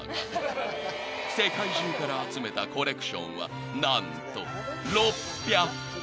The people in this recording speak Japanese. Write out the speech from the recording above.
［世界中から集めたコレクションは何と］